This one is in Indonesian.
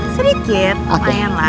sedikit lumayan lah